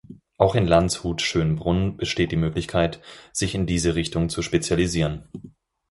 Auch in Landshut-Schönbrunn besteht die Möglichkeit sich in diese Richtung zu spezialisieren.